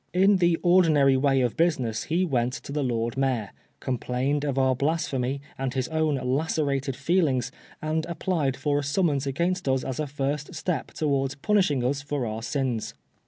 In the ordinary way of business he went to the Lord Mayor, complained of our blasphemy and his own lacerated feelings, and applied for a summons against us as a first step towards punishing us for our sins.